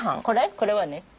これはね